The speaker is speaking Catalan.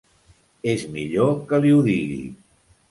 És millor que li ho diguis.